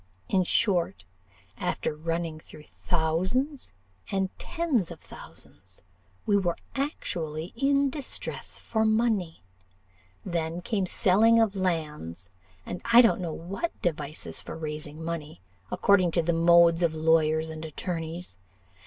In short, after running through thousands and tens of thousands, we were actually in distress for money. Then came selling of lands, and I don't know what devices for raising money, according to the modes of lawyers and attorneys.